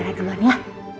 ra teman ya